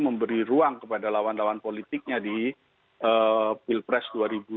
memberi ruang kepada lawan lawan politiknya di pilpres dua ribu dua puluh